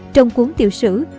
trong cuốn tiểu sử